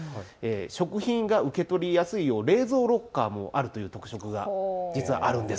食品が受け取りやすいよう冷蔵ロッカーもあるという特色が実はあるんです。